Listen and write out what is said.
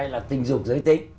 hay là tình dục giới tính